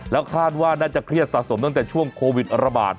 แล้วคาดว่าน่าจะเครียดสะสมตั้งแต่ช่วงโควิดระบาด